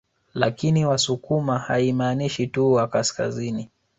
Lakini wasukuma haimaanishi tu watu wa kaskazini